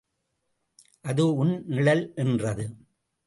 அது உன் நிழல் என்றது.